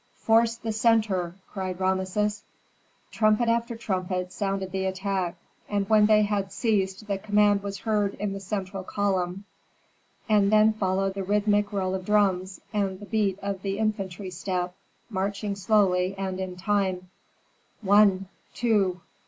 "Force the centre!" cried Rameses. Trumpet after trumpet sounded the attack, and when they had ceased the command was heard in the central column, and then followed the rhythmic roll of drums and the beat of the infantry step, marching slowly and in time: one two!